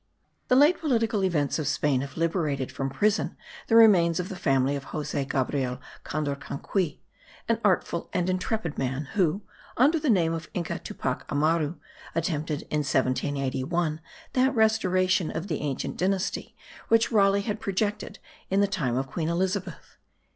The late political events of Spain have liberated from prison the remains of the family of Jose Gabriel Condorcanqui, an artful and intrepid man, who, under the name of the Inca Tupac Amaru, attempted in 1781 that restoration of the ancient dynasty which Raleigh had projected in the time of Queen Elizabeth.)